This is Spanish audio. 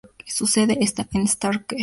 Su sede está en Starke.